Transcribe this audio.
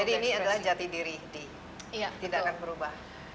jadi ini adalah jati diri di tidakkan berubah